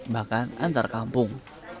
bahkan antar kampung